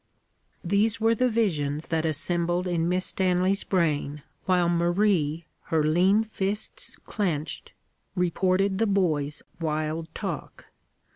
These were the visions that assembled in Miss Stanley's brain while Marie, her lean fists clenched, reported the boy's wild talk.